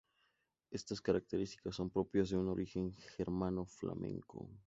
Estas características son propias de un origen germano-flamenco.